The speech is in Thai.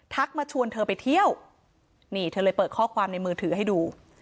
มาชวนเธอไปเที่ยวนี่เธอเลยเปิดข้อความในมือถือให้ดู